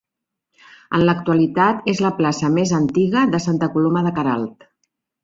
En l'actualitat és la plaça més antiga de Santa Coloma de Queralt.